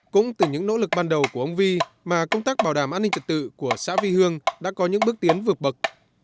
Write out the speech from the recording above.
cũng từ những nỗ lực ban đầu của ông vi mà công tác bảo đảm an ninh trật tự của xã vi hương đã có những bước tiến vượt bậc